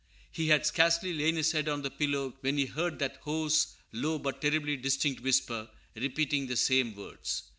He had scarcely lain his head on the pillow when he heard that hoarse, low, but terribly distinct whisper, repeating the same words.